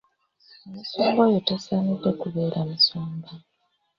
Omusumba oyo tasaanidde kubeera musumba.